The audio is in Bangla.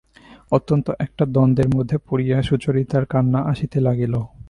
অত্যন্ত একটা দ্বন্দ্বের মধ্যে পড়িয়া সুচরিতার কান্না আসিতে লাগিল।